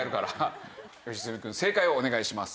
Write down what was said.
良純くん正解をお願いします。